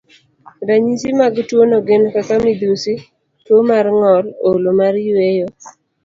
Ranyisi mag tuwono gin kaka midhusi, tuwo mar ng'ol, olo mar yweyo,